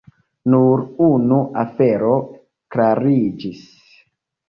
Nur unu afero klariĝis.